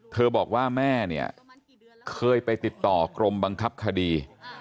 บอกว่าแม่เนี่ยเคยไปติดต่อกรมบังคับคดี